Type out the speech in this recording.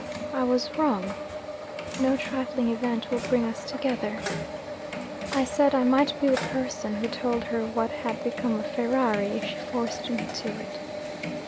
I was wrong. No trifling event will bring us together. I said I might be the person who told her what had become of Ferrari, if she forced me to it.